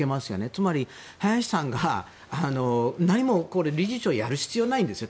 つまり、林さんが何も理事長をやる必要はないんですね